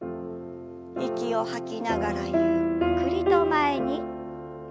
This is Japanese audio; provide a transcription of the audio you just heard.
息を吐きながらゆっくりと前に。